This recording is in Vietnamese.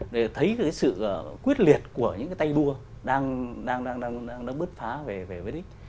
để thấy cái sự quyết liệt của những cái tay đua đang bước phá về với đấy